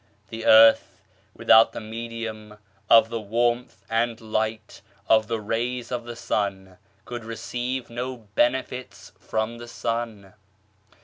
The earth, without the medium of the warmth and light of the rays of the sun, could receive no benefits from the sun.